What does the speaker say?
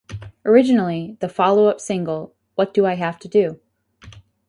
Originally, the follow-up single, What Do I Have to Do?